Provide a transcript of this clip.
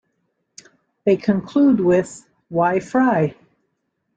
They conclude with, Why fry?